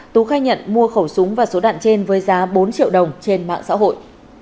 tú khai nhận mua khẩu súng và số đạn trên với giá bốn triệu đồng trên mạng xã hội